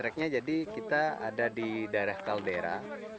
tracknya jadi kita ada di daerah kaldera